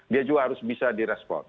dia juga harus bisa direspon